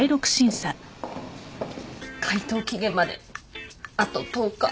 回答期限まであと１０日。